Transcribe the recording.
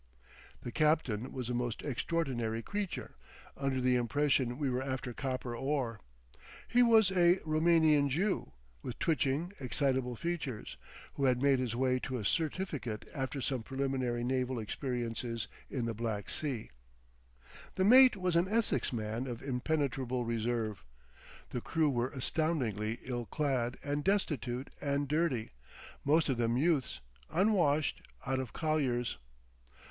The captain was a most extraordinary creature, under the impression we were after copper ore; he was a Roumanian Jew, with twitching, excitable features, who had made his way to a certificate after some preliminary naval experiences in the Black Sea. The mate was an Essex man of impenetrable reserve. The crew were astoundingly ill clad and destitute and dirty; most of them youths, unwashed, out of colliers.